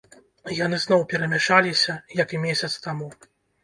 Яны зноў перамяшаліся як і месяц таму.